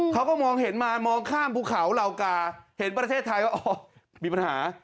เขาก็มองเห็นมามองข้ามภูเขาเหล่ากาเห็นประเทศไทยว่าอ๋อมีปัญหา